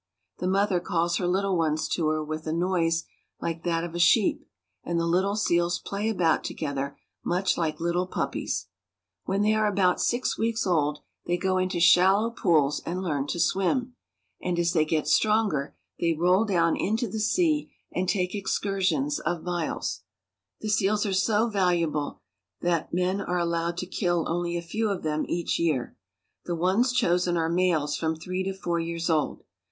The mother calls her Httle ones to her with a noise like that of a sheep, and the little seals play about together much like little puppies. When they are about six weeks old, they go into shallow pools and learn to swim; and as they get stronger, they THE SEAL FISHERIES. 305 Sitka, the Capital of Alaska. roll down into the sea and take excursions of miles. The seals are so valuable that men are allowed to kill only a few of them each year. The ones chosen are males from three to four years old.